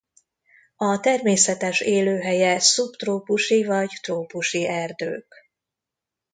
A természetes élőhelye szubtrópusi vagy trópusi erdők.